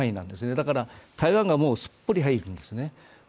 だから台湾がすっぽり入るんですね。